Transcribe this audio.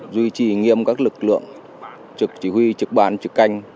duy trì nghiêm các lực lượng trực chỉ huy trực ban trực canh